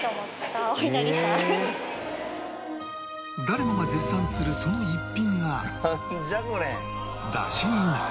誰もが絶賛するその逸品が